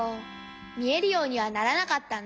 みえるようにはならなかったんだ。